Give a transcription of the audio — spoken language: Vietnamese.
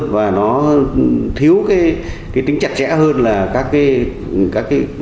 và nó thiếu cái tính chặt chẽ hơn là các cái